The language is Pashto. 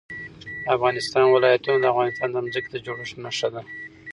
د افغانستان ولايتونه د افغانستان د ځمکې د جوړښت نښه ده.